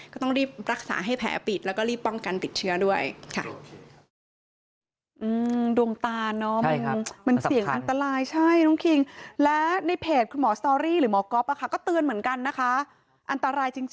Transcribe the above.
ก็ต้องรีบรักษาให้แผลปิดแล้วก็รีบป้องกันติดเชื้อด้วยค่ะ